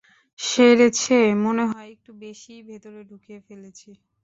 সেরেছে, মনে হয় একটু বেশিই ভেতরে ঢুকিয়ে ফেলেছি।